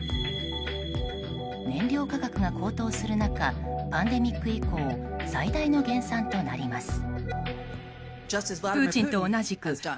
燃料価格が高騰する中パンデミック以降最大の減産となります。